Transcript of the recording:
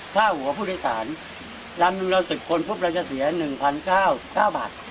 ข้าวหัวผู้โดยสารรำรุนสุขคนผู้ประเภทเสีย๑๙๙๙บาท